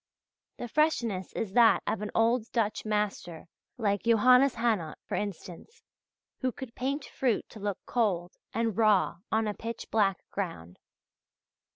The freshness is that of an old Dutch master like Johannes Hannot, for instance, who could paint fruit to look cold and raw on a pitch black ground.